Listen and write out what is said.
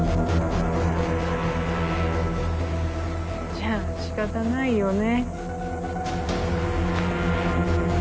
じゃあ仕方ないよね。